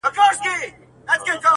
د پېغلوټو تر پاپیو به شم لاندي!!